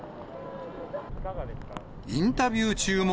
インタビュー中も。